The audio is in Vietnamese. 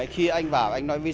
khi anh vào anh nói với dân